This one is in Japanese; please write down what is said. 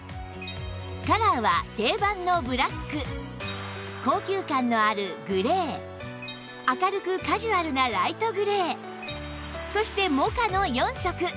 カラーは定番のブラック高級感のあるグレー明るくカジュアルなライトグレーそしてモカの４色